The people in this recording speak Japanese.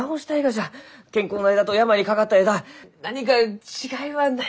健康な枝と病にかかった枝何か違いはないか。